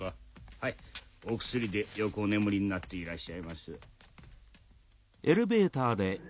はいお薬でよくお眠りになっていらっしゃいます。